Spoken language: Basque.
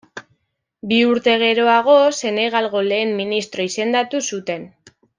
Bi urte geroago Senegalgo lehen ministro izendatu zuten.